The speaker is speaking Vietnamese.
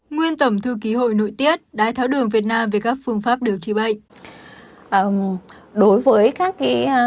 nguyên tẩm thư ký hội nội tiết đại tháo đường việt nam về các phương pháp điều trị bệnh